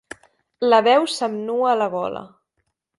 La veu se'm nua a la gola.